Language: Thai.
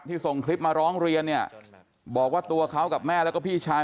ส่งคลิปมาร้องเรียนเนี่ยบอกว่าตัวเขากับแม่แล้วก็พี่ชาย